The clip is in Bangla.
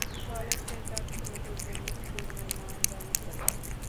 ফলে সে চাচ্ছিল যুদ্ধ বিস্তীর্ণ ময়দানে হোক।